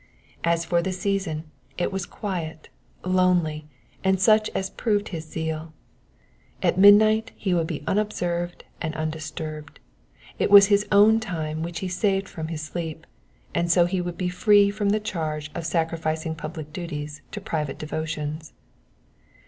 As for the season, it was quiet, lonely, and such as proved his zeal. At midnight he would be unobserved and undisturbed ; it was his own time which he saved from his sleep, and so he would be free from the charge of sacrificing public duties to private devotions.